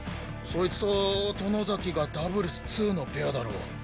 そいつと外崎がダブルス２のペアだろう。